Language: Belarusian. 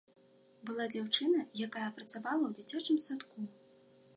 Была дзяўчына, якая працавала ў дзіцячым садку.